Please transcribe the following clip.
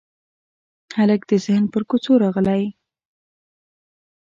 هلک د ذهن پر کوڅو راغلی